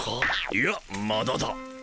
いやまだだ。